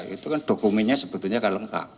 itu kan dokumennya sebetulnya kalau lengkap